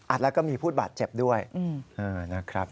แล้วก็มีผู้บาดเจ็บด้วยนะครับ